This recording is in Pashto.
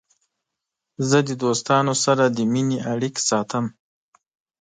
زه د دوستانو سره د مینې اړیکې ساتم.